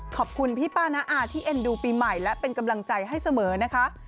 ขอบคุณพี่ป้าน้าอาที่เอ็นดูปีใหม่และเป็นกำลังใจให้เสมอนะคะ